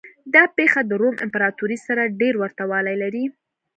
دا پېښه د روم امپراتورۍ سره ډېر ورته والی لري.